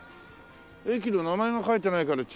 駅の名前が書いてないから違うね。